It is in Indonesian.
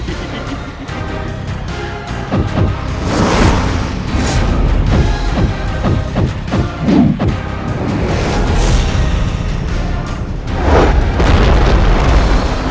itu fitnah paman